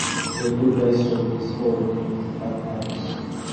The two best of these four teams advance.